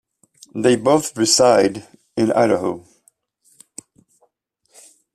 They both reside in Idaho.